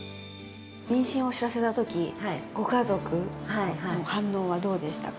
妊娠を知らせたとき、ご家族の反応はどうでしたか？